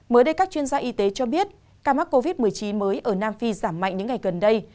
mới đây các chuyên gia y tế cho biết ca mắc covid một mươi chín mới ở nam phi giảm mạnh những ngày gần đây